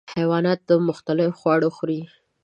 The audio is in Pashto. حیوانات مختلف خواړه خوري.